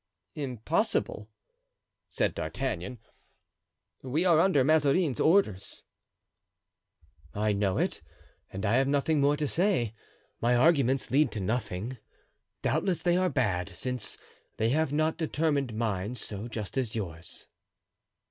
"Impossible," said D'Artagnan; "we are under Mazarin's orders." "I know it and I have nothing more to say; my arguments lead to nothing; doubtless they are bad, since they have not determined minds so just as yours."